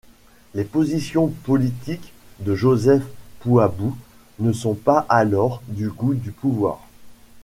Les positions politiques de Joseph Pouabou ne sont pas alors du goût du pouvoir.